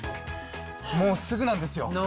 もうすぐなんですよ。